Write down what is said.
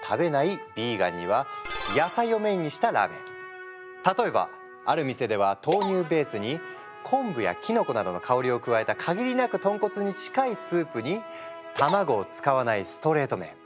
ヴィーガンには例えばある店では豆乳ベースに昆布やキノコなどの香りを加えた限りなく豚骨に近いスープに卵を使わないストレート麺。